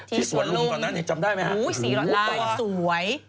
ที่สวรุงเหรอจำได้ไหมฮะหูยสวย